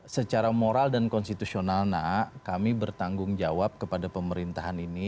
secara moral dan konstitusional nak kami bertanggung jawab kepada pemerintahan ini